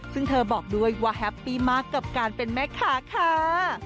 ซึ่งเธอบอกด้วยว่าแฮปปี้มากกับการเป็นแม่ค้าค่ะ